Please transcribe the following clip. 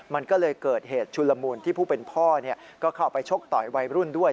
มันก็เลยเกิดเหตุชุลมูลที่ผู้เป็นพ่อก็เข้าไปชกต่อยวัยรุ่นด้วย